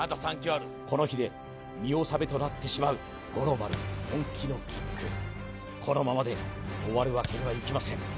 この日で見納めとなってしまう五郎丸本気のキックこのままで終わるわけにはいきません